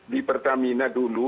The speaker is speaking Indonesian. di pertamina dulu